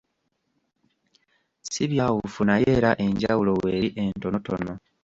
Ssi byawufu naye era enjawulo w'eri entonotono.